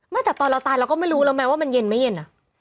แต่ตอนเราตายเราก็ไม่รู้แล้วไหมว่ามันเย็นไม่เย็นอ่ะ